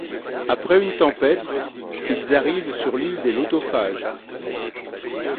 Après une tempête, ils arrivent sur l'île des Lotophages.